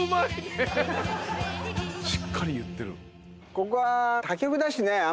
ここは。